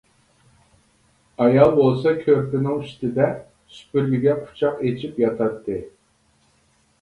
ئايال بولسا كۆرپىنىڭ ئۈستىدە سۈپۈرگىگە قۇچاق ئېچىپ ياتاتتى.